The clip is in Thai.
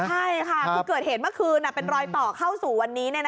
ใช่ค่ะคือเกิดเหตุเมื่อคืนเป็นรอยต่อเข้าสู่วันนี้